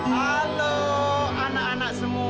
halo anak anak semua